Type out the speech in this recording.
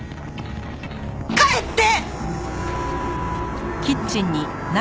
帰って！！